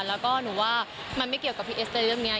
แล้วก็หนูว่ามันไม่เกี่ยวกับพี่เอสในเรื่องนี้